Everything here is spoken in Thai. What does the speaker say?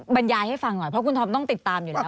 บรรยายให้ฟังหน่อยเพราะคุณธอมต้องติดตามอยู่แล้ว